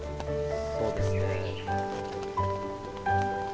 そうですね。